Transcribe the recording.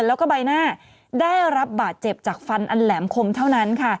แล้วก็ใบหน้าได้รับบาดเจ็บจากฟันอันแหลมคมเท่านั้นค่ะ